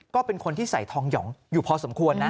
ก็เป็นคนที่ใส่ทองหยองอยู่พอสมควรนะ